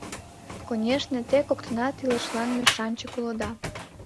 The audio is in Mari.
Конешне, те коктынат илышлан мешанчык улыда.